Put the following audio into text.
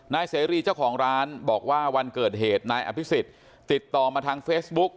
นายเสรีเจ้าของร้านบอกว่าวันเกิดเหตุนายอภิษฎติดต่อมาทางเฟซบุ๊ก